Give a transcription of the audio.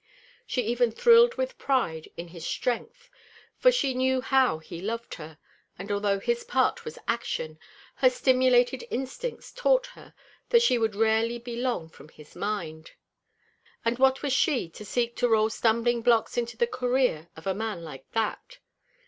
She even thrilled with pride in his strength, for she knew how he loved her; and although his part was action, her stimulated instincts taught her that she would rarely be long from his mind. And what was she to seek to roll stumbling blocks into the career of a man like that?